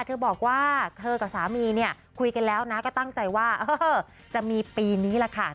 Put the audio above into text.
เธอบอกว่าเธอกับสามีเนี่ยคุยกันแล้วนะก็ตั้งใจว่าเออจะมีปีนี้แหละค่ะ